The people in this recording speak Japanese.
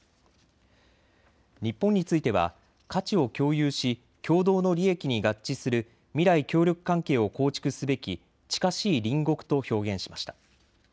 日本については価値を共有し共同の利益に合致する未来協力関係を構築すべき近しい隣国と表現しました。